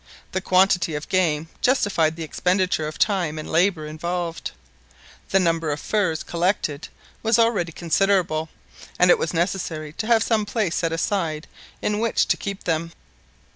The quantity of game justified the expenditure of time and labour involved : the number of furs collected was already considerable, and it was necessary to have some place set aside in which to keep them.